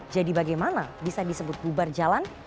jadi bagaimana bisa disebut bubar jalan